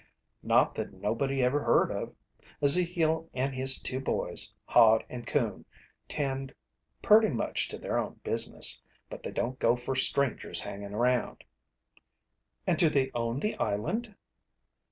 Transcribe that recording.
"Not that nobody ever heard of. Ezekiel and his two boys, Hod and Coon, tend purty much to their own business. But they don't go fer strangers hangin' around." "And do they own the island?"